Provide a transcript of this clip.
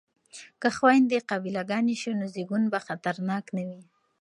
که خویندې قابله ګانې شي نو زیږون به خطرناک نه وي.